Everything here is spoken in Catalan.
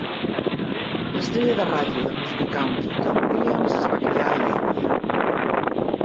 L'estrella de ràdio de música country Don Williams es va criar a Ionia.